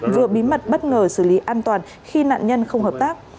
vừa bí mật bất ngờ xử lý an toàn khi nạn nhân không hợp tác